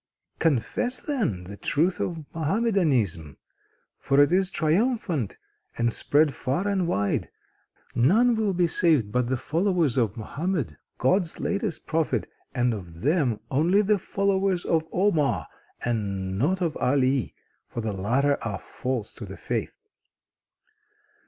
Confess then the truth of Mohammedanism, for it is triumphant and spreads far and wide. None will be saved but the followers of Mohammed, God's latest prophet; and of them, only the followers of Omar, and not of Ali, for the latter are false to the faith."